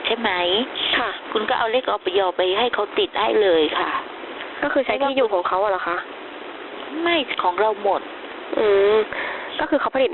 แต่เวลาเราไปจ้างผลิตเราก็เอาเลขออย่อของเราเนี่ย